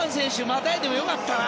またいでもよかったな。